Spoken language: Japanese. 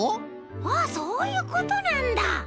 ああそういうことなんだ。